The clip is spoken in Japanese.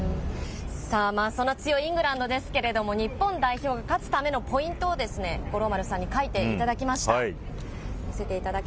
さあ、そんな強いイングランドですけれども、日本代表が勝つためのポイントを、五郎丸さんに書いていただきました。